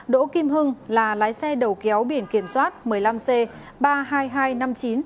đỗ kim hưng là lái xe đầu kéo biển kiểm soát một mươi năm c ba trăm hai mươi hai năm mươi chín